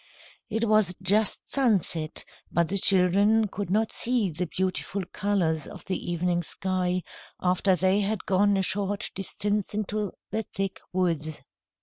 It was just sunset, but the children could not see the beautiful colours of the evening sky, after they had gone a short distance into the thick woods.